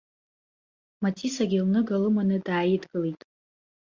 Маҵисагьы лныга лыманы дааидгылеит.